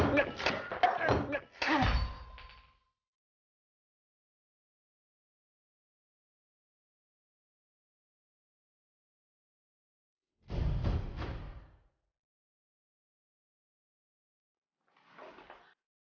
kenapa tuh bu